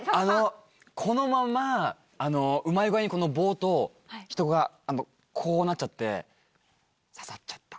このままうまい具合に棒と人がこうなっちゃって刺さっちゃった。